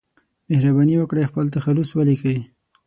مهرباني وکړئ خپل تخلص ولیکئ